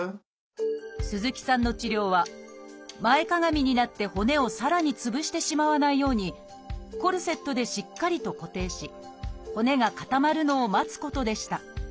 鈴木さんの治療は前かがみになって骨をさらにつぶしてしまわないようにコルセットでしっかりと固定し骨が固まるのを待つことでした。